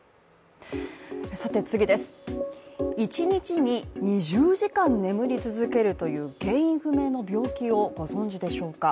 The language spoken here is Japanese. １日に２０時間眠り続けるという原因不明の病気をご存じでしょうか。